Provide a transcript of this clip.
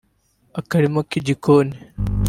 akarima k’igikoni